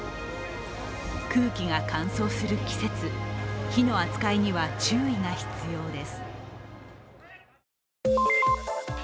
空気が乾燥する季節、火の扱いには注意が必要です。